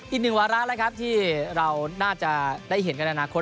อีกหนึ่งวาระแล้วครับที่เราน่าจะได้เห็นกันในอนาคต